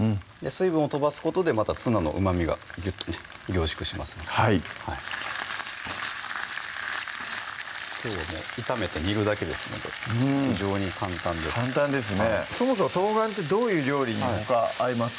水分を飛ばすことでまたツナのうまみがぎゅっとね凝縮しますのではいきょうはもう炒めて煮るだけですので非常に簡単です簡単ですねそもそも冬瓜ってどういう料理にほか合いますか？